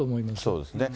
そうですね。